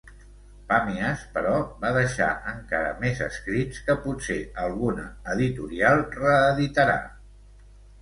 Pàmies, però, va deixar encara més escrits que potser alguna editorial reeditarà.